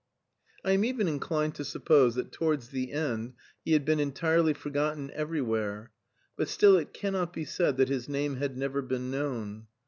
I am even inclined to suppose that towards the end he had been entirely forgotten everywhere; but still it cannot be said that his name had never been known.